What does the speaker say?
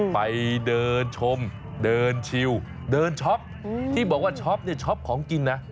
ไปเดินชมเดินชิวเดินช็อปที่บอกว่าช็อปเนี่ยช็อปของกินนะ